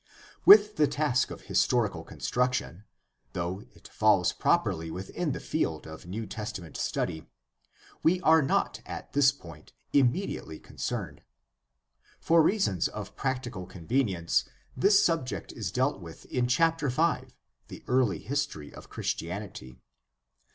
— With the task of his torical construction, though it falls properly within the field of New Testament study, we are not at this point immediately concerned. For reasons of practical convenience this subject is dealt with in Chapter V, "The Early History of Christianity."